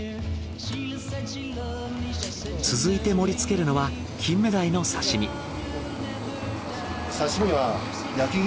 続いて盛りつけるのはキンメダイの刺身。